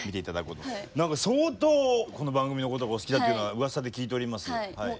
何か相当この番組のことがお好きだというのはうわさで聞いております。